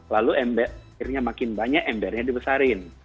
lalu akhirnya makin banyak embernya dibesarin